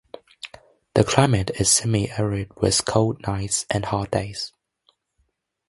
The climate is semi arid with cold nights and hot days.